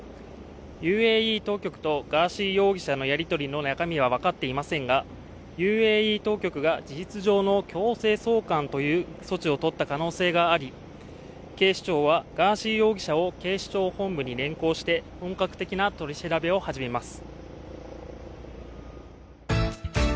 ＵＡＥ当局とガーシー容疑者のやり取りの中身は分かっていませんがＵＡＥ当局が、事実上の強制送還という措置をとった可能性があり、警視庁はガーシー容疑者を警視庁本部に連行して本格的な取り調べを始めます。